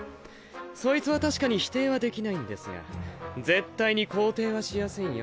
そいつは確かに否定はできないんですが絶対に肯定はしやせんよ。